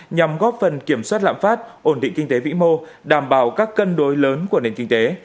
nhằm góp phần kiểm soát lạm phát ổn định kinh tế vĩ mô đảm bảo các cân đối lớn của nền kinh tế